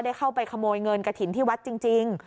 เข้าไปขโมยเงินกระถิ่นที่วัดจริง